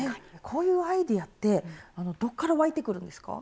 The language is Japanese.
こういうアイデアってどっから湧いてくるんですか？